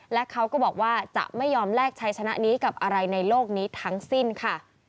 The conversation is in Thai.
และเขาก็บอกว่าจะไม่ยอมแลกชัยชนะนี้กับอะไรในโลกนี้ทั้งสิ้นค่ะ